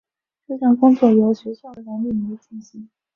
这项工作由学校老师来匿名进行。